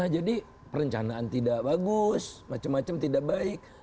jadi perencanaan tidak bagus macam macam tidak baik